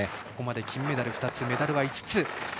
ここまで金メダル２つ、メダルは５つ。